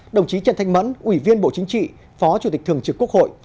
đồng chí trần thanh mẫn ủy viên bộ chính trị phó chủ tịch thường trực quốc hội